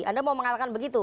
anda mau mengalahkan begitu